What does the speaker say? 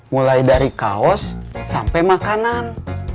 mulai dari kaos sampai makanan